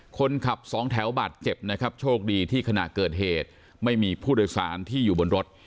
คนขับสองแถวบาดเจ็บนะครับโชคดีที่ขณะเกิดเหตุไม่มีผู้โดยสารที่อยู่บนรถ